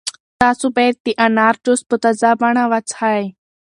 تاسو باید د انار جوس په تازه بڼه وڅښئ.